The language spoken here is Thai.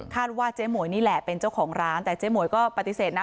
ว่าเจ๊หมวยนี่แหละเป็นเจ้าของร้านแต่เจ๊หมวยก็ปฏิเสธนะ